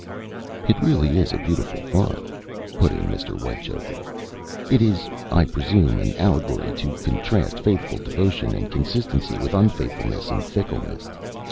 "It really is a beautiful thought," put in Mr. Whitechoker. "It is, I presume, an allegory to contrast faithful devotion and constancy with unfaithfulness and fickleness.